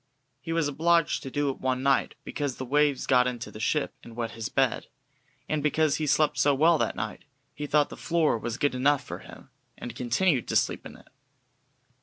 He was obliged to do it one night, because the waves got into the ship and wet his bed, and because he slept so well that night, he thought the floor was good enough for him, and continued to sleep on it.